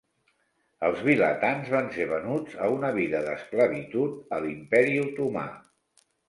Els vilatans van ser venuts a una vida d'esclavitud a l'Imperi Otomà.